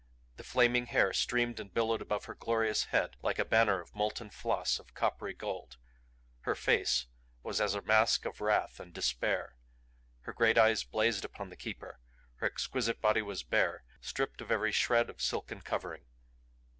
The flaming hair streamed and billowed above her glorious head like a banner of molten floss of coppery gold; her face was a mask of wrath and despair; her great eyes blazed upon the Keeper; her exquisite body was bare, stripped of every shred of silken covering.